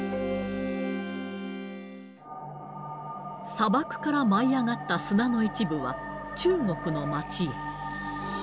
砂漠から舞い上がった砂の一部は、中国の街へ。